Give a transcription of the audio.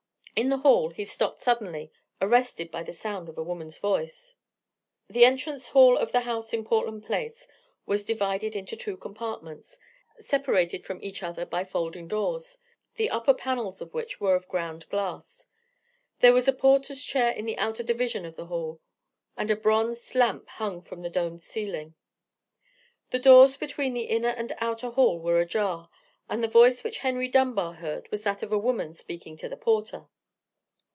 In the hall he stopped suddenly, arrested by the sound of a woman's voice. The entrance hall of the house in Portland Place was divided into two compartments, separated from each other by folding doors, the upper panels of which were of ground glass. There was a porter's chair in the outer division of the hall, and a bronzed lamp hung from the domed ceiling. The doors between the inner and outer hall were ajar, and the voice which Henry Dunbar heard was that of a woman speaking to the porter.